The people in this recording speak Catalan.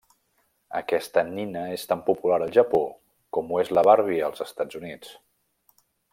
Aquesta nina és tan popular al Japó com ho és la Barbie als Estats Units.